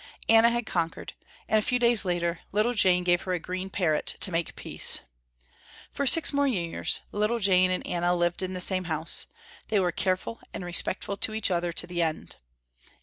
Anna had conquered, and a few days later little Jane gave her a green parrot to make peace. For six more years little Jane and Anna lived in the same house. They were careful and respectful to each other to the end.